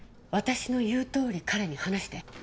私の言うとおり彼に話して。